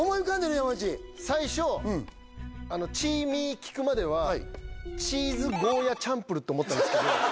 山内最初あのチーミー聞くまではチーズゴーヤチャンプルーって思ってたんですけど